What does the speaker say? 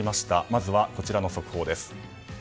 まずはこちらの速報です。